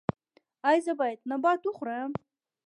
ایا زه باید نبات وخورم؟